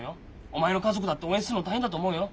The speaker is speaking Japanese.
お前の家族だって応援すんの大変だと思うよ。